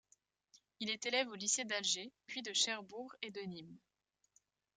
Il est élève au lycée d'Alger, puis de Cherbourg et de Nîmes.